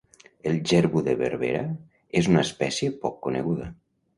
El jerbu de Berbera és una espècia poc coneguda.